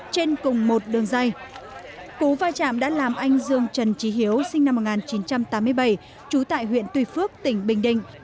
trên cùng một đường dây cú va chạm đã làm anh dương trần trí hiếu sinh năm một nghìn chín trăm tám mươi bảy trú tại huyện tùy phước tỉnh bình định